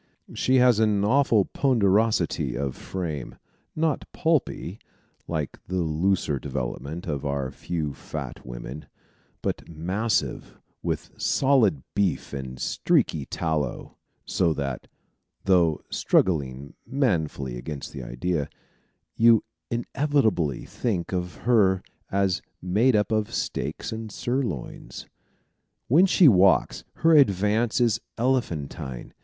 She has an awful ponderosity of frame, not pulpy, like the looser development of our few fat women, but massive with solid beef and streaky tallow; so that (though struggling manfully against the idea) you inevitably think of her as made up of steaks and sirloins. When she walks, her advance is elephantine.